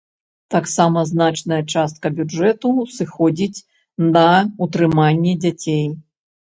Таксама значная частка бюджэту сыходзіць на ўтрыманне дзяцей.